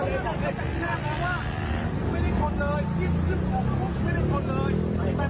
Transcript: ครับสวัสดีครับถ่ายเลยครับถ้าถ่ายอย่างงี้ยิงแล้วยิงแล้วใหญ่เลย